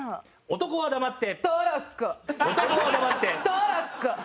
男は黙って。